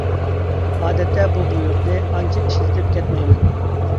ئادەتتە بۇ بۇيرۇقنى ئانچە ئىشلىتىپ كەتمەيمەن.